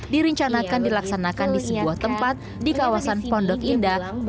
direncanakan dilaksanakan di sebuah tempat di kawasan pondok indah